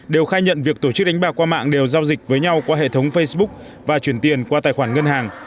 đều khai nhận việc tổ chức đánh bạc qua mạng đều giao dịch với nhau qua hệ thống facebook và chuyển tiền qua tài khoản ngân hàng